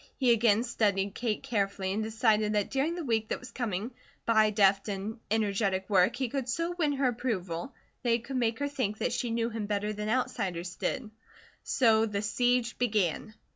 He again studied Kate carefully and decided that during the week that was coming, by deft and energetic work he could so win her approval that he could make her think that she knew him better than outsiders did. So the siege began.